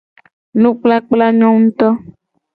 Nukpakpla nyo nguuto.